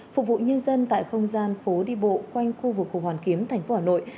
phục vụ nhân dân tại không gian phố đi bộ quanh khu vực hồ hoàn kiếm thành phố hà nội